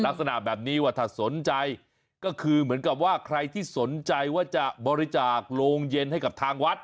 ลักษณะแบบนี้ว่าถ้าสนใจก็คือเหมือนกับว่าใครที่สนใจว่าจะบริจาคโรงเย็นให้กับทางวัด